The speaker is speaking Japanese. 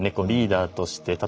リーダーとして。